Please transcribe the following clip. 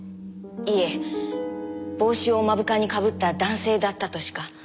いえ帽子を目深に被った男性だったとしか。